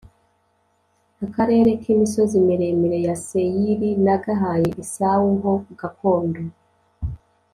akarere k’imisozi miremire ya seyiri nagahaye esawu ho gakondo